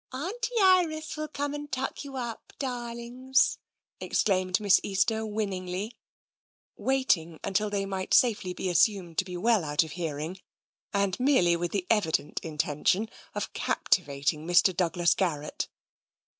" Auntie Iris will come and tuck you up, darlings,'' exclaimed Miss Easter winningly, waiting until they might safely be assumed to be well out of hearing, and merely with the evident intention of captivating Mr. Douglas Garrett.